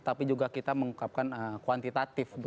tapi juga kita mengungkapkan kuantitatif